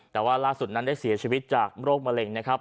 แต่ว่าล่าสุดนั้นได้เสียชีวิตจากโรคมะเร็งนะครับ